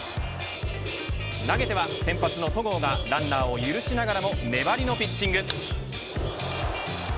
投げては、先発の戸郷がランナーを許しながらも粘りのピッチング。